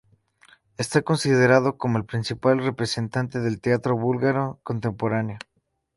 Está considerado como el principal representante del teatro búlgaro contemporáneo.